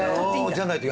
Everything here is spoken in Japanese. じゃないと。